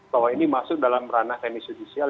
bahwa ini masuk dalam ranah teknis judisial